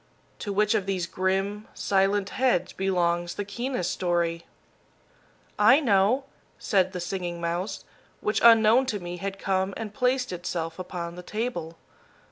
To which of these grim, silent heads belongs the keenest story?" "I know," said the Singing Mouse, which unknown to me had come and placed itself upon the table.